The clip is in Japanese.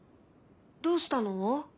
どうしたの？